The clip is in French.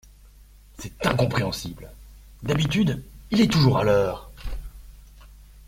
C'est incompréhensible! D'habitude, il est toujours à l'heure !